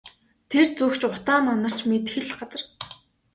Тэр зүг ч утаа манарч мэдэх л газар.